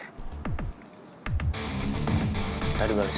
jangan sampai dia ngeroyok gua